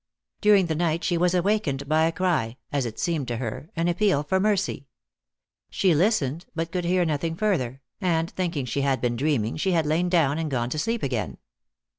During the night she was awakened by a cry as it seemed to her, an appeal for mercy. She listened, but could hear nothing further, and, thinking she had been dreaming, she had lain down and gone to sleep again.